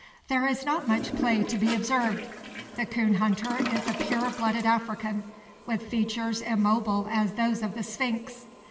There is not much play to be observed. The coon hunter is a pure blooded African, with features immobile as those of the Sphinx.